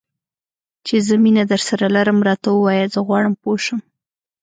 چې زه مینه درسره لرم؟ راته ووایه، زه غواړم پوه شم.